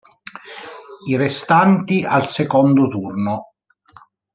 I restanti al secondo turno.